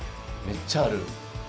めっちゃある。